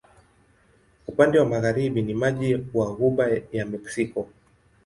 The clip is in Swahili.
Upande wa magharibi ni maji wa Ghuba ya Meksiko.